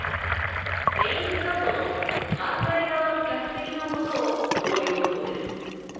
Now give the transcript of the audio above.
メインスタンドの反対側の客席のことをそう呼ぶのです。